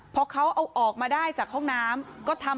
พอเขาเอาออกมาได้จากห้องน้ำก็ทำ